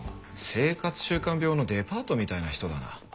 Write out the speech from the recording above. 生活習慣病のデパートみたいな人だな。